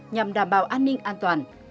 nhằm đảm bảo an ninh an toàn